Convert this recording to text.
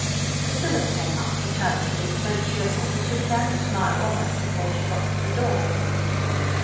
Priscilla came up determined to be so cheerful that she began to smile almost before she got to the door.